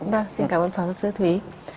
dạ xin cảm ơn phó giáo sư thúy